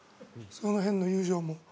その辺の友情も。